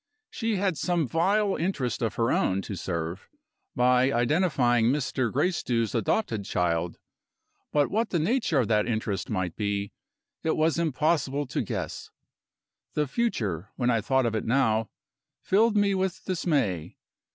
She had some vile interest of her own to serve by identifying Mr. Gracedieu's adopted child but what the nature of that interest might be, it was impossible to guess. The future, when I thought of it now, filled me with dismay.